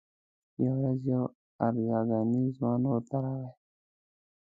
یوه ورځ یو ارزګانی ځوان ورته راغی.